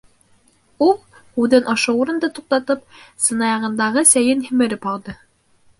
Ул, һүҙен ошо урында туҡтатып, сынаяғындағы сәйен һемереп алды.